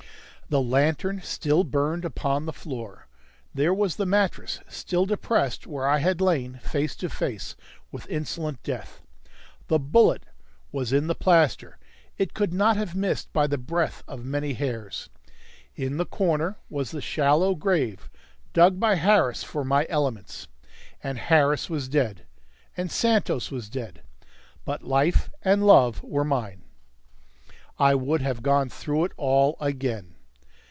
The lantern still burned upon the floor. There was the mattress, still depressed where I had lain face to face with insolent death. The bullet was in the plaster; it could not have missed by the breadth of many hairs. In the corner was the shallow grave, dug by Harris for my elements. And Harris was dead. And Santos was dead. But life and love were mine. I would have gone through it all again!